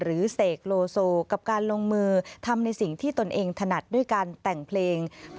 เสกโลโซกับการลงมือทำในสิ่งที่ตนเองถนัดด้วยการแต่งเพลง